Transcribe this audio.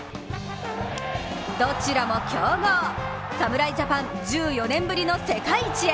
どちらも強豪、侍ジャパン１４年ぶりの世界一へ。